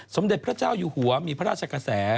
สมเด็จพระเจ้าอยู่หัวมีพระราชกระแส